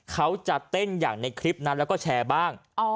เขาจะเต้นอย่างในคลิปนั้นแล้วก็แชร์บ้าง